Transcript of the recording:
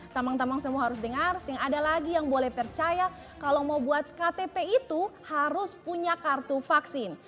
tambang tambang semua harus dengar sehingga ada lagi yang boleh percaya kalau mau buat ktp itu harus punya kartu vaksin